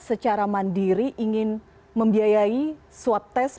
secara mandiri ingin membiayai swab test